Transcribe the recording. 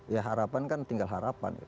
ya harapan kan tinggal harapan